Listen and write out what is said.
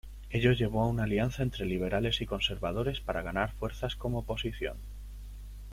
Ello llevó a una alianza entre liberales y conservadores para ganar fuerzas como oposición.